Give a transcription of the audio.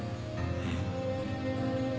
うん。